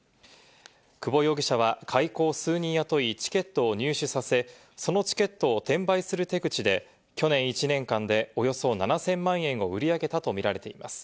久保容疑者は買い子を数人雇い、チケットを入手させ、そのチケットを転売する手口で、去年１年間でおよそ７０００万円を売り上げたとみられています。